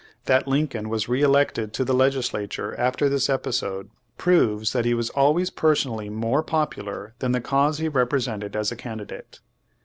That Lincoln was re elected to the legislature after this episode proves that he was always personally more popu lar than the cause he represented as a candidate.